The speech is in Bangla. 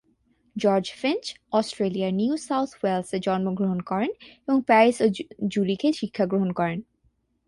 জর্জ ফিঞ্চ অস্ট্রেলিয়ার নিউ সাউথ ওয়েলসে জন্মগ্রহণ করেন এবং প্যারিস ও জুরিখে শিক্ষা গ্রহণ করেন।